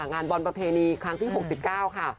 งานบอลประเพณีค่ะครั้งที่หกสิบเก้าค่ะ